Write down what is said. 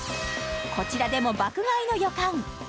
こちらでも爆買いの予感